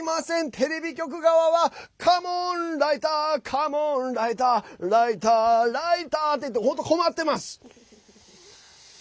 テレビ局側はカモンライターカモンライターライター、ライターって困ってます。